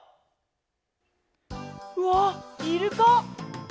わっイルカ！